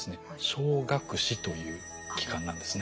小顎髭という器官なんですね。